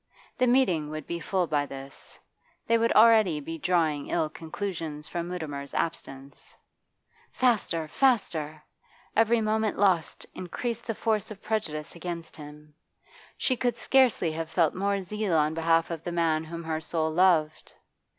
The meeting would be full by this; they would already be drawing ill conclusions from Mutimer's absence Faster, faster! Every moment lost increased the force of prejudice against him. She could scarcely have felt more zeal on behalf of the man whom her soul loved.